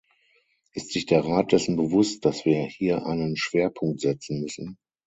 Ist sich der Rat dessen bewusst, dass wir hier einen Schwerpunkt setzen müssen?